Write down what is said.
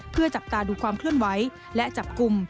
เพื่อจับตาดูความเคลื่อนไหวและจับกลุ่ม